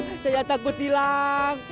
mas sajak saya takut hilang